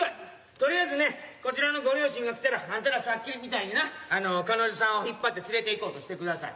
とりあえずねこちらのご両親が来たらあんたらさっきみたいにな彼女さんを引っ張って連れていこうとしてください。